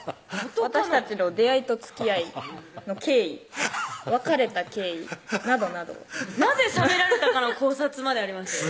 「私たちの出会いと付き合いの経緯」「別れた経緯」などなど「なぜ冷められたかの考察」までありますね